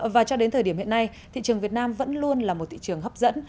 và cho đến thời điểm hiện nay thị trường việt nam vẫn luôn là một thị trường hấp dẫn